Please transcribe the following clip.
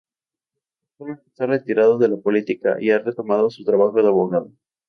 Actualmente está retirado de la política y ha retomado su trabajo de abogado.